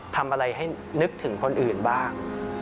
ทำอะไรให้นึกถึงคนอื่นบ้าง